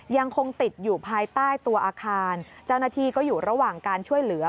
ยังคงติดอยู่ภายใต้ตัวอาคารเจ้าหน้าที่ก็อยู่ระหว่างการช่วยเหลือ